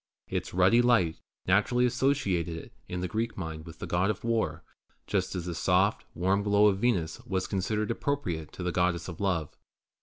Its ruddy light naturally associated it in the Greek mind with the God of War, just as the soft, warm glow of Venus was considered appropriate to the Goddess of Love.